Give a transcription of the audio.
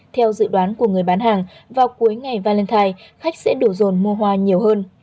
theo dự đoán của người bán hàng vào cuối ngày valentine khách sẽ đủ dồn mua hoa nhiều hơn